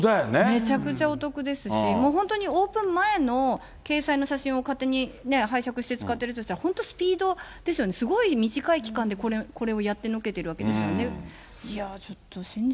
めちゃくちゃお得ですし、もう本当にオープン前の掲載の写真を勝手にね、拝借して使ってるとしたら、本当にスピードですよね、すごい短い期間でこれをやってのけてるわけですよね。